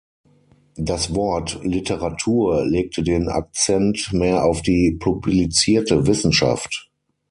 Das Wort „Literatur“ legte den Akzent mehr auf die publizierte Wissenschaft.